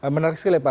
menarik sekali pak